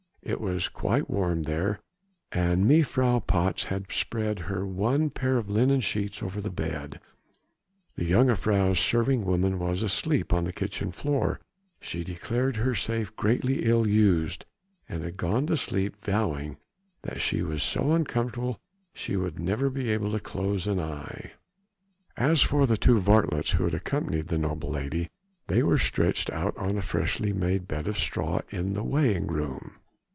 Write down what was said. It was quite warm there and Mevrouw Patz had spread her one pair of linen sheets over the bed. The jongejuffrouw's serving woman was asleep on the kitchen floor; she declared herself greatly ill used, and had gone to sleep vowing that she was so uncomfortable she would never be able to close an eye. As for the two varlets who had accompanied the noble lady, they were stretched out on a freshly made bed of straw in the weighing room.